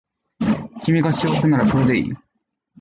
君が幸せならそれでいい